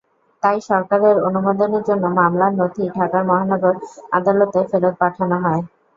তাই সরকারের অনুমোদনের জন্য মামলার নথি ঢাকার মহানগর আদালতে ফেরত পাঠানো হয়।